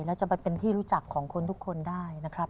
และจะไปเป็นที่รู้จักของคนทุกคนได้นะครับ